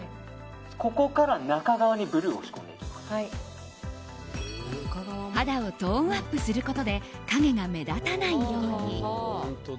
ここから中側に肌をトーンアップすることで影が目立たないように。